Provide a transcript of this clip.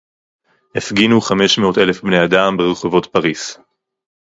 הפגינו חמש מאות אלף בני-אדם ברחובות פריס